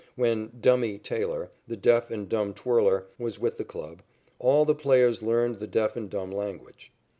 When "Dummy" Taylor, the deaf and dumb twirler, was with the club, all the players learned the deaf and dumb language.